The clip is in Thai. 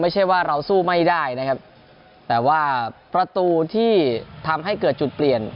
ไม่ใช่ว่าเราสู้ไม่ได้นะครับแต่ว่าประตูที่ทำให้เกิดจุดเปลี่ยน